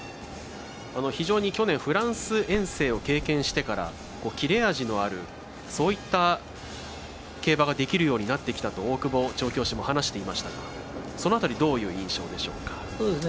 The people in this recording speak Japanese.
非常に、去年フランス遠征を経験してから、キレ味のあるそういった競馬ができるようになってきたと大久保調教師も話していましたがその辺りどういう印象でしょうか？